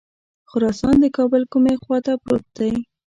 خراسان د کابل کومې خواته پروت دی.